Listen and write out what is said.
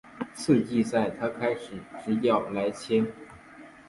次赛季他开始执教莱切。